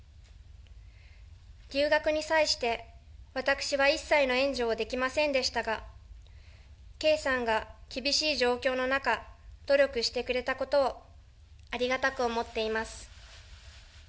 留学に際して、私は一切の援助をできませんでしたが、圭さんが厳しい状況の中、努力してくれたことをありがたく思っております。